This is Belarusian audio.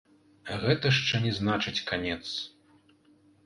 Гэта шчэ не значыць канец.